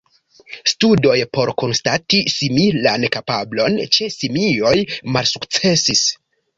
Studoj por konstati similan kapablon ĉe simioj malsukcesis.